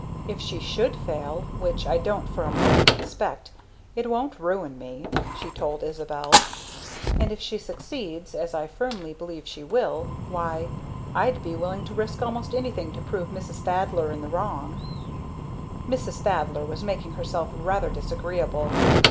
"If she should fail which I don't for a moment expect it wont ruin me," she told Isabel. "And if she succeeds, as I firmly believe she will, why, I'd be willing to risk almost anything to prove Mrs. Thaddler in the wrong." Mrs. Thaddler was making herself rather disagreeable.